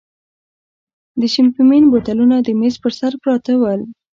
د شیمپین بوتلونه د مېز پر سر پراته ول.